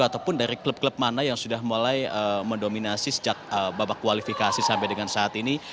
ataupun dari klub klub mana yang sudah mulai mendominasi sejak babak kualifikasi sampai dengan saat ini